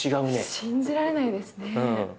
信じられないですね。